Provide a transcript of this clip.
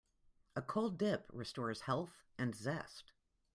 A cold dip restores health and zest.